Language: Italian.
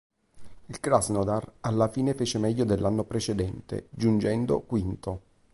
Il Krasnodar alla fine fece meglio dell'anno precedente, giungendo quinto.